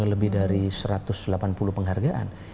lebih dari satu ratus delapan puluh penghargaan